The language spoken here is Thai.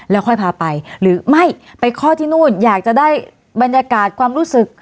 แล้วค่อยพาไปหรือไม่ไปคลอดที่นู่นอยากจะได้บรรยากาศความรู้สึก